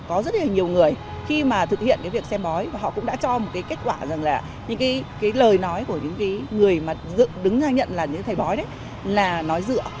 có rất nhiều người khi mà thực hiện cái việc xem bói và họ cũng đã cho một cái kết quả rằng là những cái lời nói của những cái người mà đứng ra nhận là những thầy bói đấy là nói dựa